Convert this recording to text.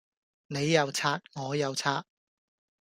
你又刷我又刷